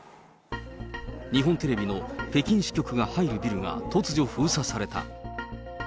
日本テレビの北京支局が入るビルが突如封鎖された。